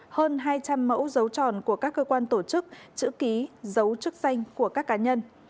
hơn hai trăm linh mẫu dấu tròn của các cơ quan tổ chức chữ ký dấu chức danh của các cá nhân